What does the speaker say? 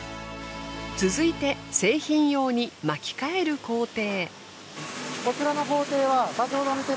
続いて製品用に巻き替える工程。